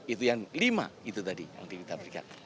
itu yang lima itu tadi yang kita berikan